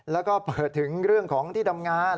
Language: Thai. แล้วก็เปิดถึงเรื่องของที่ทำงาน